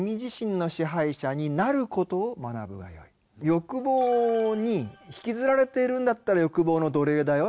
欲望に引きずられているんだったら欲望の奴隷だよ。